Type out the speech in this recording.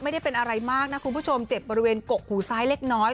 ไม่ได้เป็นอะไรมากนะคุณผู้ชมเจ็บบริเวณกกหูซ้ายเล็กน้อย